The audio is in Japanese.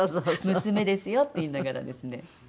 「娘ですよ」って言いながらですね。